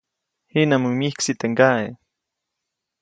Jiʼnamuŋ myiksi teʼ kaʼe.